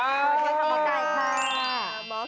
สวัสดีค่ะหมอไก่ค่ะ